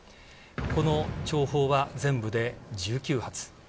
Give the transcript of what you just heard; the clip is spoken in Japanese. この弔砲は全部で１９発。